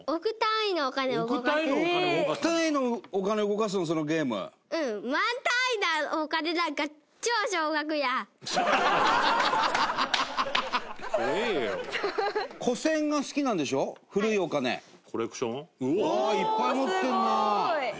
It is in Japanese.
伊達：いっぱい持ってるな！